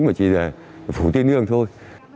mà chỉ là phủ tiên ương thôi